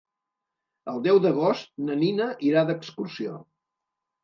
El deu d'agost na Nina irà d'excursió.